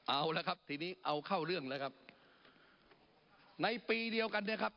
เอาละครับทีนี้เอาเข้าเรื่องแล้วครับในปีเดียวกันเนี่ยครับ